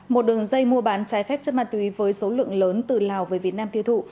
một đường dây mua bán trái phép chất mặt tùy với số lượng lớn từ lào với việt nam thiêu thụ